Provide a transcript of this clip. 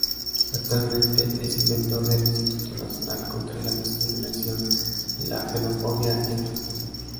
Actualmente es interventor del Instituto Nacional contra la Discriminación, la Xenofobia y el Racismo.